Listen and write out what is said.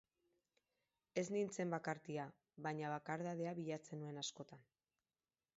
Ez nintzen bakartia, baina bakardadea bilatzen nuen askotan.